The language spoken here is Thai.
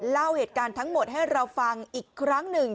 เล่าเหตุการณ์ทั้งหมดให้เราฟังอีกครั้งหนึ่ง